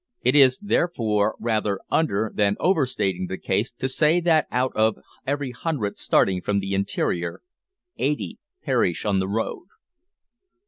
It is therefore rather under than over stating the case to say that out of every hundred starting from the interior, eighty perish on the road.